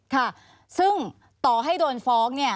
ค่ะซึ่งต่อให้โดนฟ้อง